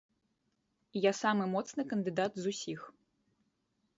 Я самы моцны кандыдат з усіх.